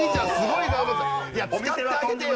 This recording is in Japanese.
いや使ってあげてよ！